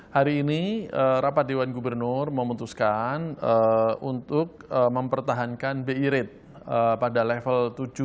hari ini rapat dewan gubernur memutuskan untuk mempertahankan bi rate pada level tujuh